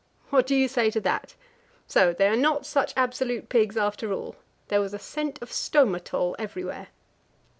What do you say to that? So they are not such absolute pigs, after all. There was a scent of Stomatol everywhere.